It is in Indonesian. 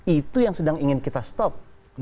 itu yang sedang ingin kita stop